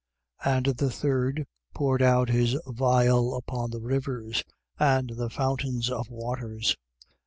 16:4. And the third poured out his vial upon the rivers and the fountains of waters.